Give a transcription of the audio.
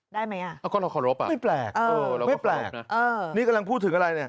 ได้ไหมอ่ะไม่แปลกไม่แปลกนะนี่กำลังพูดถึงอะไรเนี่ย